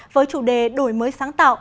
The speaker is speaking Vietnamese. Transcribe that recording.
với chủ đề đổi mới sáng tạo